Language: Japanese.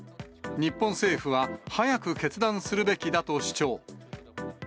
日本政府は、早く決断するべきだと主張。